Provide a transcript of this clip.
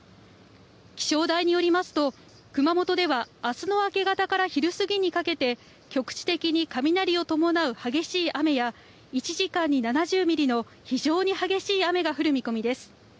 気象台によりますと、熊本ではあすの明け方から昼過ぎにかけて、局地的に雷を伴う激しい雨や、１時間に７０ミリの非常に激しい雨が降る見込みです。